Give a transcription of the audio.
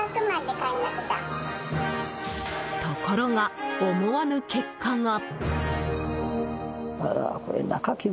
ところが、思わぬ結果が。